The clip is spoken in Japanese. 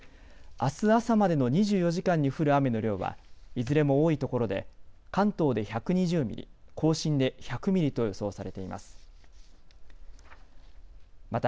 あす朝までの２４時間に降る雨の量はいずれも多いところで関東で１２０ミリ、甲信で１００ミリと予想されています。